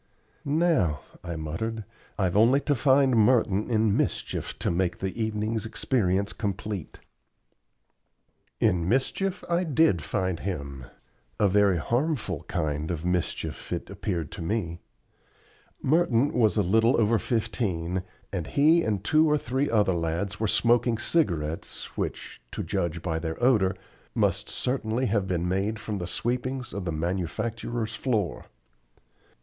"Now," I muttered, "I've only to find Merton in mischief to make the evening's experience complete." In mischief I did find him a very harmful kind of mischief, it appeared to me. Merton was little over fifteen, and he and two or three other lads were smoking cigarettes which, to judge by their odor, must certainly have been made from the sweepings of the manufacturer's floor.